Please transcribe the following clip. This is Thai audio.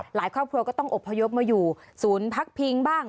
ครอบครัวก็ต้องอบพยพมาอยู่ศูนย์พักพิงบ้าง